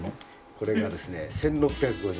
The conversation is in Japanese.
これがですね１６５０円です。